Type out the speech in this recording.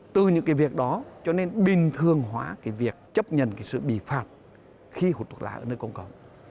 từ những cái việc đó cho nên bình thường hóa cái việc chấp nhận cái sự bị phạt khi hút thuốc lá ở nơi công cộng